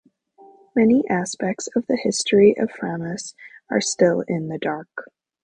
Many aspects of the history of Framus are still in the dark.